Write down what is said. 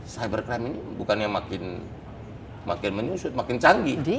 cyber crime ini bukannya makin menyusut makin canggih